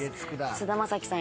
菅田将暉さん